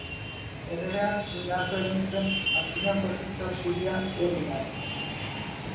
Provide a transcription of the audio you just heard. Errege hark indartu egin zuen Antzinako Egiptok Sirian zuen indarra.